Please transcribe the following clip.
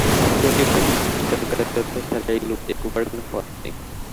প্রচুর তথ্য তাঁর দরকার তথ্য ছাড়া এগুবার কোনো পথ নেই।